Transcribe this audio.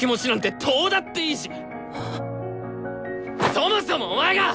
そもそもお前が！